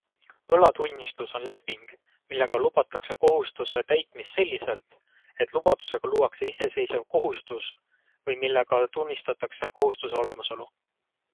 Võlatunnistus on leping, millega lubatakse kohustuse täitmist selliselt, et lubadusega luuakse iseseisev kohustus või millega tunnistatakse kohustuse olemasolu.